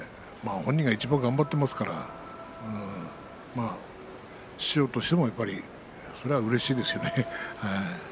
本人がいちばん頑張っていますから師匠としてもそりゃうれしいですよね。